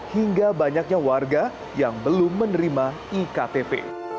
hingga banyaknya warga yang belum menerima iktp